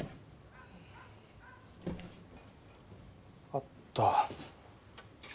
あった。